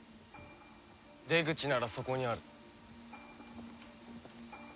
出口ならそこにある。